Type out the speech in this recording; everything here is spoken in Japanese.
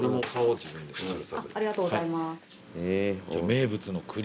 名物の栗？